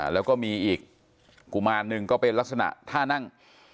แล้วก็มีอีกกุมารหนึ่งก็เป็นลักษณะท่านั่ง